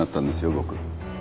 僕。